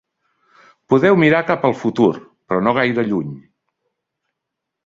Podeu mirar cap al futur, però no gaire lluny.